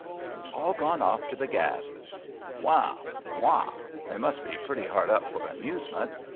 '' They've all gone off to the Gaff." '' Wahl Wahl They must be pretty hard up for amusement.